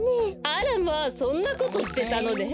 あらまあそんなことしてたのね。